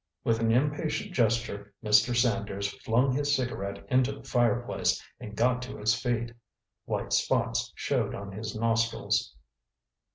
With an impatient gesture, Mr. Sanders flung his cigarette into the fireplace and got to his feet. White spots showed on his nostrils.